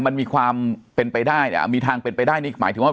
มันมีความเป็นไปได้เนี่ยมีทางเป็นไปได้นี่หมายถึงว่า